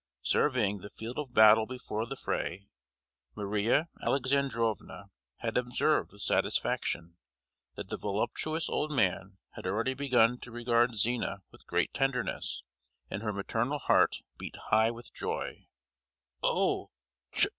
Surveying the field of battle before the fray, Maria Alexandrovna had observed with satisfaction that the voluptuous old man had already begun to regard Zina with great tenderness, and her maternal heart beat high with joy. "Oh!